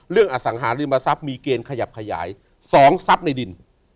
อสังหาริมทรัพย์มีเกณฑ์ขยับขยาย๒ทรัพย์ในดิน